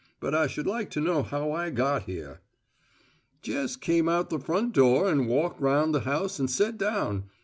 "But I should like to know how I got here." "Jes' come out the front door an' walk' aroun' the house an' set down.